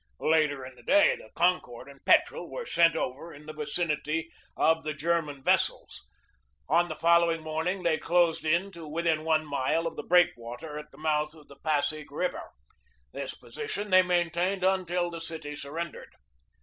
Later in the day the Concord and Petrel were sent over in the vicinity of the German vessels. On the following morning they closed in to within one mile of the breakwater at the mouth of the Pasig River. This position they maintained until the city surrendered.